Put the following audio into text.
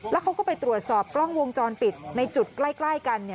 แล้วเขาก็ไปตรวจสอบกล้องวงจรปิดในจุดใกล้กัน